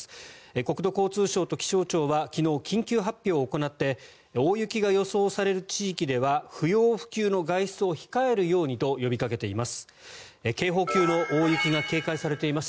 国土交通省と気象庁は昨日、緊急発表を行って大雪が予想される地域では不要不急の外出を控えるようにと呼びかけています。